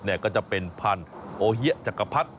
ก็จะเป็นพันธุ์โอเฮียจักรพรรดิ